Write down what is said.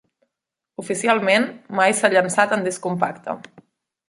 Oficialment mai s'ha llançat en disc compacte.